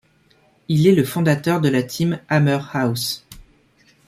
Il est le fondateur de la Team Hammer House.